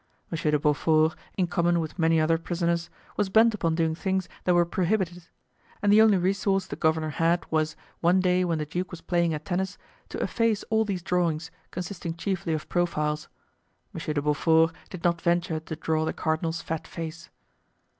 Monsieur de Beaufort, in common with many other prisoners, was bent upon doing things that were prohibited; and the only resource the governor had was, one day when the duke was playing at tennis, to efface all these drawings, consisting chiefly of profiles. M. de Beaufort did not venture to draw the cardinal's fat face.